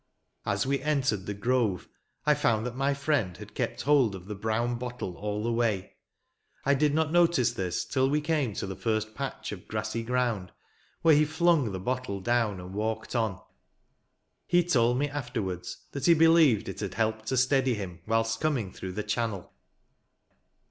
As we entered the grove I found that my friend had kept hold of the brown bottle all the way. I did not notice this till we came to the first patch of grassy ground, where he flung the bottle down and walked on, He told me afterwards that he believed it had helped to steady him whilst coming through the channel.